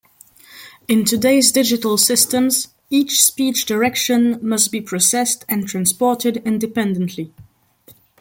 In today's digital systems, each speech direction must be processed and transported independently.